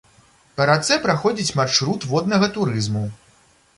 Па рацэ праходзіць маршрут воднага турызму.